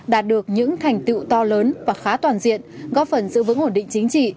đạt được những thành tựu to lớn và khá toàn diện góp phần giữ vững ổn định chính trị